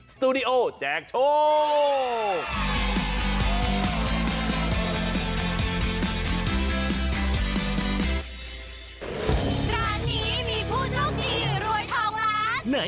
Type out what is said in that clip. สตูดิโอแจกโชว์